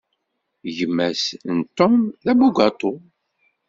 Gma-s n Tom, d abugaṭu.